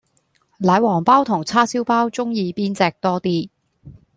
奶黃飽同叉燒飽鍾意邊隻多 D